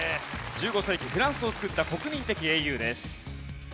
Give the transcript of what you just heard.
１５世紀フランスを救った国民的英雄です。